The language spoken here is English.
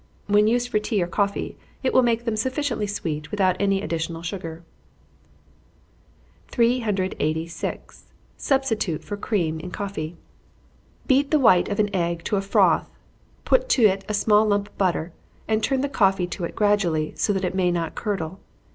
When used for tea or coffee, it will make them sufficiently sweet without any additional sugar. 386. Substitute for Cream in Coffee. Beat the white of an egg to a froth put to it a small lump of butter, and turn the coffee to it gradually, so that it may not curdle.